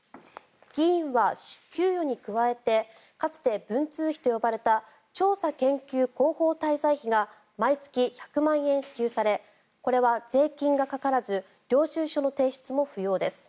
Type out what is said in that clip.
議員は給与に加えてかつて文通費と呼ばれた調査研究広報滞在費が毎月１００万円支給されこれは税金がかからず領収書の提出も不要です。